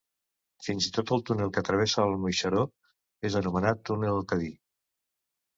Fins i tot el túnel que travessa el Moixeró és anomenat túnel del Cadí.